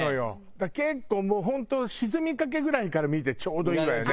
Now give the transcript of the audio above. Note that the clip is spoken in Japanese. だから結構もう本当沈みかけぐらいから見てちょうどいいわよね。